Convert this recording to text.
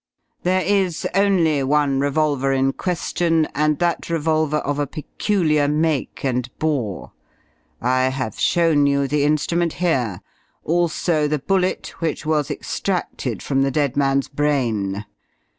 There is only one revolver in question, and that revolver of a peculiar make and bore. I have shown you the instrument here, also the bullet which was extracted from the dead man's brain.